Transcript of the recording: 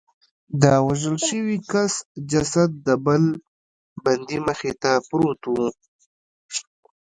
د وژل شوي کس جسد د بل بندي مخې ته پروت و